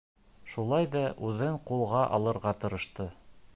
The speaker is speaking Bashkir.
Шулай ҙа үҙен ҡулға алырға тырышты.